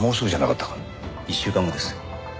１週間後です。